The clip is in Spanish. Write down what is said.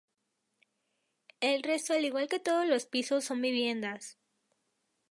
El resto, al igual que todos los pisos, son viviendas.